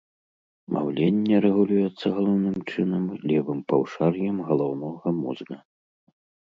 Маўленне рэгулюецца, галоўным чынам, левым паўшар'ем галаўнога мозга.